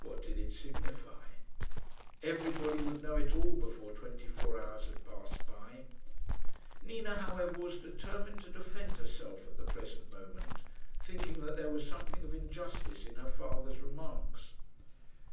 What did it signify? Everybody would know it all before twenty four hours had passed by. Nina, however, was determined to defend herself at the present moment, thinking that there was something of injustice in her father's remarks.